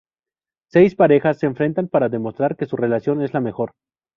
Seis parejas se enfrentan para demostrar que su relación es la mejor.